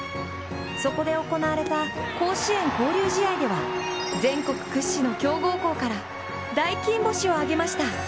そこで行われた甲子園交流試合では全国屈指の強豪校から大金星を挙げました。